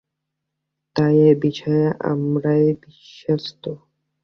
তাই এই বিষয়ে আমরাই বিশেষজ্ঞ।